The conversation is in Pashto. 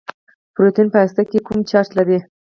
پروټون په هسته کې کوم چارچ لري.